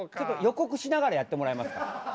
予告しながらやってもらえますか？